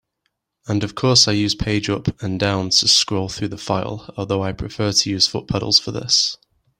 And of course I use page up and down to scroll through the file, although I prefer to use foot pedals for this.